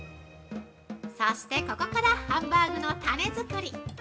そして、ここから、ハンバーグのタネ作り。